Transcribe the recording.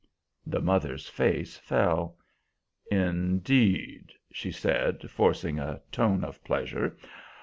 The mother's face fell. "Indeed!" she said, forcing a tone of pleasure.